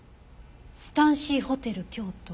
「スタンシーホテル京都」。